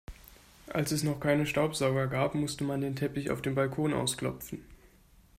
Als es noch keine Staubsauger gab, musste man den Teppich auf dem Balkon ausklopfen.